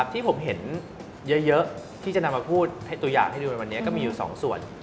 ที่ผมเห็นเยอะที่จะนำมาพูดให้ตัวอย่างให้ดูในวันนี้ก็มีอยู่๒ส่วน